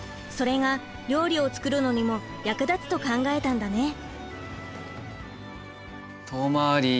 それが料理を作るのにも役立つと考えたんだね。